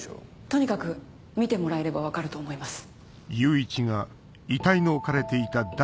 とにかく見てもらえれば分かると思います。